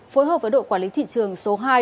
phối hợp với đội quản lý thị trường số hai